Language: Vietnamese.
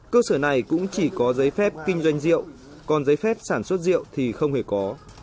cơ sở này cũng chỉ có giấy phép kinh doanh rượu còn giấy phép sản xuất rượu thì không hề có